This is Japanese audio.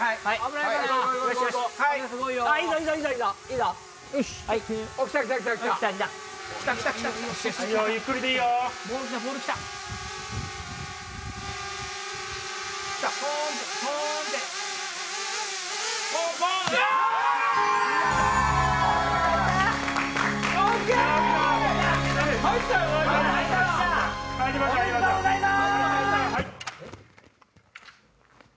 おめでとうございます！